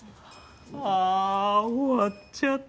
あー終わっちゃった。